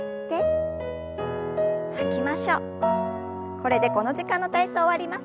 これでこの時間の体操終わります。